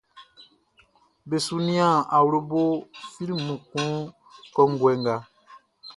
Be su nian awlobo flimu kun kɔnguɛ nga.